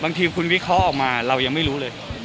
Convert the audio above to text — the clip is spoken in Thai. บางทีคุณวิเคราะห์ออกมาเรายังไม่รู้เลย